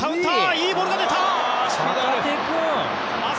いいボールが出た。